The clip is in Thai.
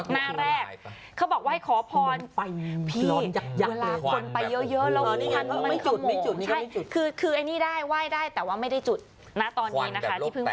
นะคะหน้าแรก